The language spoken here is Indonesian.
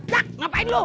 jack ngapain lu